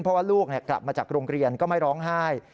เพราะว่าลูกกลับมาจากโรงเรียนก็ไม่ร้องไห้